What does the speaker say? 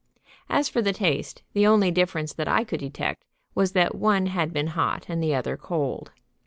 As for the taste, the only difference that I could detect was that one had been hot and the other cold.